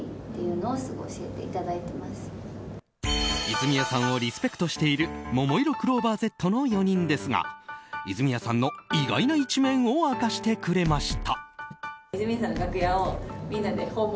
泉谷さんをリスペクトしているももいろクローバーＺの４人ですが泉谷さんの意外な一面を明かしてくれました。